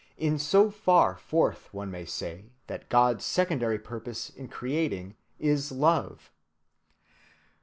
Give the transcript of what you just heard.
In so far forth one may say that God's secondary purpose in creating is love.